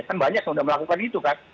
kan banyak yang sudah melakukan itu kan